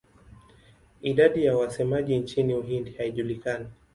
Idadi ya wasemaji nchini Uhindi haijulikani.